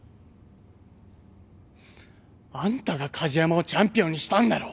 あんたが梶山をチャンピオンにしたんだろ？